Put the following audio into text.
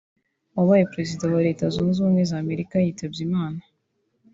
wabaye perezida wa Leta Zunze Ubumwe za Amerika yitabye Imana